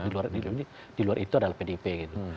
di luar sistem paket di luar itu adalah pdip gitu